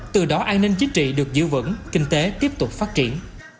từ đó an ninh chính trị được giữ vững kinh tế tiếp tục phát triển